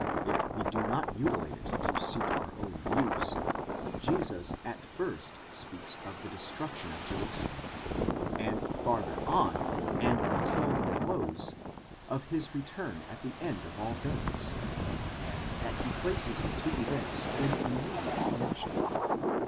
if we do not mutilate it to suit our own views, Jesus at first speaks of the destruction of Jerusalem, and farther on and until the close, of his return at the end of all things, and that he places the two events in immediate connexion.